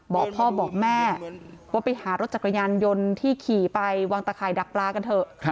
บอกพ่อบอกแม่ว่าไปหารถจักรยานยนต์ที่ขี่ไปวางตะข่ายดักปลากันเถอะ